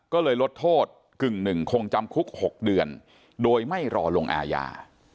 ก็เลยลดโทษกึ่งหนึ่งคงจำคุก๖เดือนโดยไม่รอลงอาญา